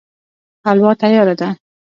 حلوا تياره ده